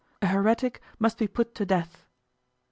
"A heretic must be put to death."